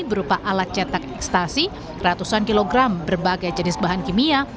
berupa alat cetak ekstasi ratusan kilogram berbagai jenis bahan kimia